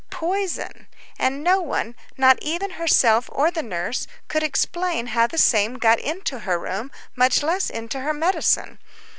Poison! and no one, not even herself or the nurse, could explain how the same got into the room, much less into her medicine.